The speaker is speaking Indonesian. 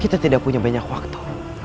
kita tidak punya banyak waktu